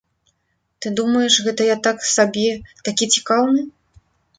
Ты думаеш, гэта я так сабе такі цікаўны?